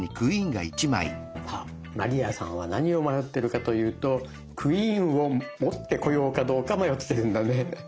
あ鞠杏さんは何を迷ってるかというと「クイーン」を持ってこようかどうか迷ってるんだね。